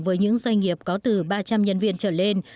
với những doanh nghiệp có từ ba trăm linh nhân viên trở lên